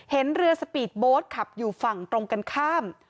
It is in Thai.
เห็นเรือสปีดโบสต์ขับอยู่ฝั่งตรงกันข้าม